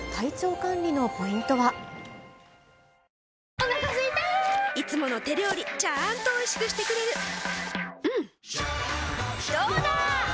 お腹すいたいつもの手料理ちゃんとおいしくしてくれるジューうんどうだわ！